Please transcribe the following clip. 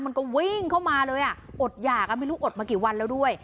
มันก็วิ่งเข้ามาเลยอ่ะอดหยากไม่รู้อดมากี่วันแล้วด้วย